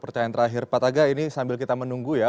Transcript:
pertanyaan terakhir pak taga ini sambil kita menunggu ya